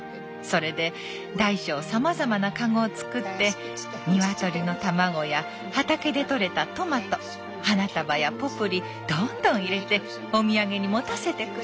それで大小さまざまな籠を作って鶏の卵や畑で取れたトマト花束やポプリどんどん入れてお土産に持たせてくれた。